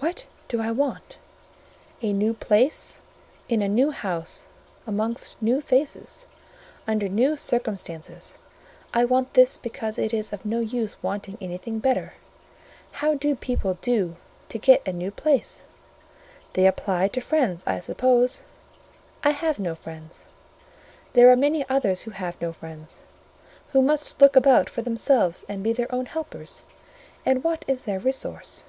"What do I want? A new place, in a new house, amongst new faces, under new circumstances: I want this because it is of no use wanting anything better. How do people do to get a new place? They apply to friends, I suppose: I have no friends. There are many others who have no friends, who must look about for themselves and be their own helpers; and what is their resource?"